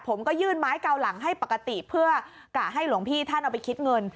ผมก็ยื่นไม้เกาหลังให้ปกติเพื่อกะให้หลวงพี่ท่านเอาไปคิดเงิน